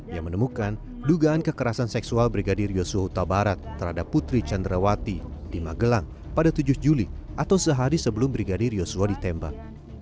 yang menemukan dugaan kekerasan seksual brigadir yosua huta barat terhadap putri candrawati di magelang pada tujuh juli atau sehari sebelum brigadir yosua ditembak